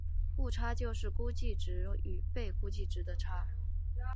误差就是估计值与被估计量的差。